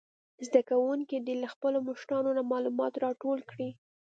زده کوونکي دې له خپلو مشرانو نه معلومات راټول کړي.